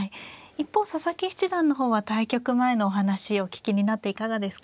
一方佐々木七段の方は対局前のお話をお聞きになっていかがですか。